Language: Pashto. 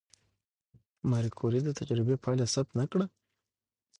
ماري کوري د تجربې پایله ثبت نه کړه؟